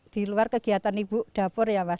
di luar kegiatan ibu dapur ya mas